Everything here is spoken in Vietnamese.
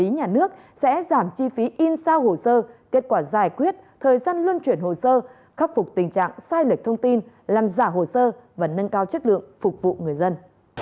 nhà nước sẽ giảm chi phí in sao hồ sơ kết quả giải quyết thời gian luân chuyển hồ sơ khắc phục tình trạng sai lệch thông tin làm giả hồ sơ và nâng cao chất lượng phục vụ người dân